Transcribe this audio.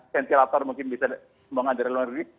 sensilator mungkin bisa mengandalkan lebih